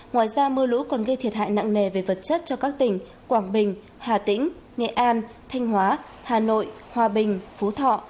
ngoài ra mưa lũ còn gây thiệt hại nặng nề về vật chất cho các tỉnh quảng bình hà tĩnh nghệ an thanh hóa hà nội hòa bình phú thọ